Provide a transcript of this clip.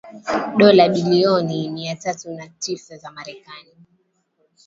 dola bilioni mia tatu na tisa za marekani